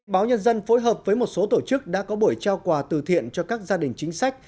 báo nhân dân phối hợp với một số tổ chức đã có buổi trao quà từ thiện cho các gia đình chính sách